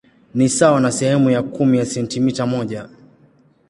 Ni sawa na sehemu ya kumi ya sentimita moja.